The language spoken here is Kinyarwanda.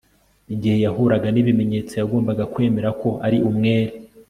igihe yahuraga n'ibimenyetso, yagombaga kwemera ko ari umwere